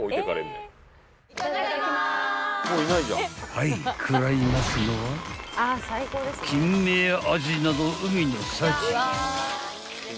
［はい食らいますのはキンメやアジなど海の幸］